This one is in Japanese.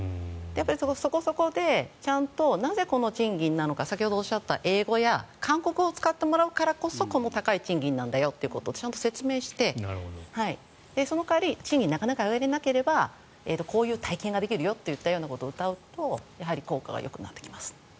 そこそこでちゃんと、なぜこの賃金なのか先ほどおっしゃった英語や韓国語を使ってもらうからこそこの高い賃金なんだよということをちゃんと説明して、その代わり賃金なかなか上げられなければこういう体験ができるよといったようなことをうたうとやはり効果はよくなってきます。